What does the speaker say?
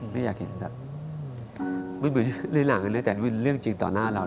ไม่อยากเห็นร่างเนื้อแต่เรื่องจริงต่อหน้าเรา